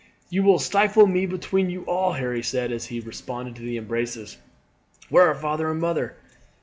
"You will stifle me between you all," Harry said, after he had responded to the embraces. "Where are father and mother?"